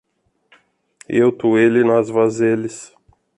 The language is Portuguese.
Eu, tu, ele, nós, vós, eles